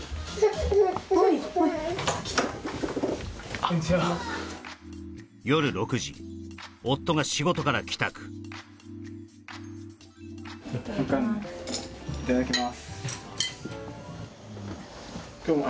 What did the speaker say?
こんにちは夜６時夫が仕事から帰宅いただきます